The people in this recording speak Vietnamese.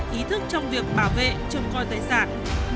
ý thức trong việc bảo vệ tình hình của họ